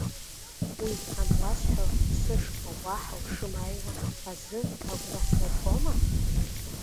Уи ануасҳәалак, сышҟа уаҳа ушымааиуа азы агәра сургома?